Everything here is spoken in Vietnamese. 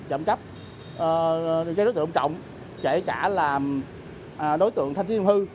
chậm cắp gây rối trực tự công cộng chạy trả làm đối tượng thanh thiên hư